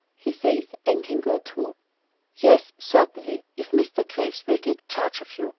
He says Anne can go too." "Yes, certainly, if Mr. Graves will take charge of you.